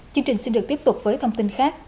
chương trình xin được tiếp tục với thông tin khác